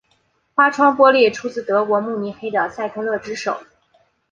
花窗玻璃出自德国慕尼黑的赛特勒之手。